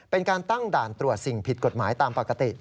เป็นการตั้งด่านตรวจสิ่งผิดกฎหมายตามปกติ